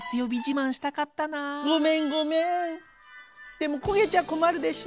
でも焦げちゃ困るでしょ？